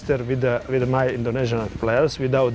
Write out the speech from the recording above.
dengan pemain indonesia tanpa pelatih pelatih